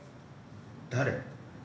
誰？